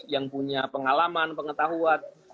yang punya pengalaman pengetahuan